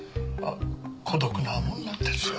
孤独なもんなんですよ。